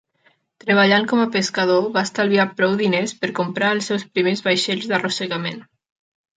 Treballant com a pescador, va estalviar prou diners per comprar els seus primers vaixells d'arrossegament.